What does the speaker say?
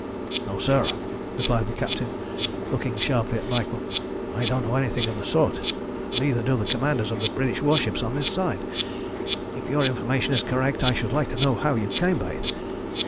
"No, sir," replied the captain, looking sharply at Michael. "I don't know anything of the sort, neither do the commanders of the British warships on this side. If your information is correct, I should like to know how you came by it.